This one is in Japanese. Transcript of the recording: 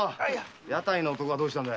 屋台の男はどうしたんだ？